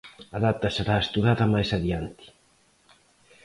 A data será estudada máis adiante.